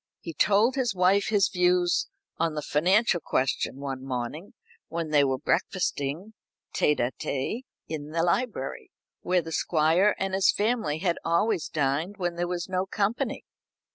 He told his wife his views on the financial question one morning when they were breakfasting tête à tête in the library, where the Squire and his family had always dined when there was no company.